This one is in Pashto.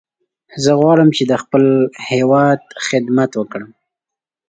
زه غواړم چې د خپل هیواد خدمت وکړم.